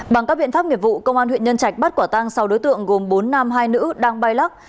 bằng các biện pháp nghiệp vụ công an huyện nhân trạch bắt quả tang sáu đối tượng gồm bốn nam hai nữ đang bay lắc